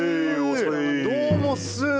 どうもっす。